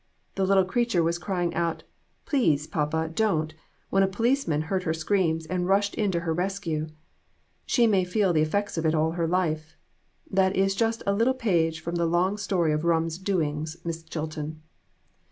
The little creature was crying out, ' Please, papa, don't !' when a policeman heard her screams, and rushed in to her rescue. She may feel the effects of it all her life. That is just a little page from the long story of rum's doings, Miss Chilton."